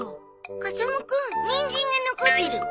風間くんニンジンが残ってる。